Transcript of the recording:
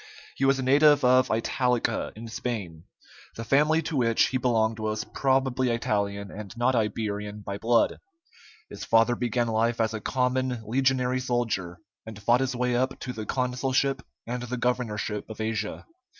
He was a native of Italica, in Spain. The family to which he belonged was probably Italian, and not Iberian, by blood. His father began life as a common legionary soldier, and fought his way up to the consulship and the governorship of Asia.